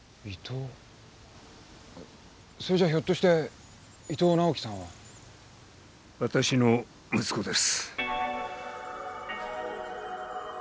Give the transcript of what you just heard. それじゃひょっとして伊藤直季さんは。わたしの息子です。